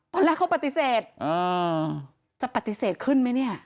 ตอนแรกเขาปฏิเสธจะปฏิเสธขึ้นไหมเนี่ย